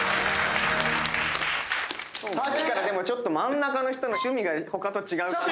さっきからちょっと真ん中の人の趣味が他と違う。